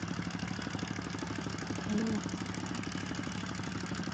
ভালো লাগছে তোমায়।